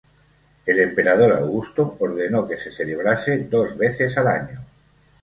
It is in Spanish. El emperador Augusto ordenó que se celebrase dos veces al año.